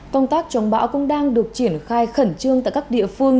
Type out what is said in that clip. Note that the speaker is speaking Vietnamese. công tác chống bão cũng đang được triển khai khẩn trương tại các địa phương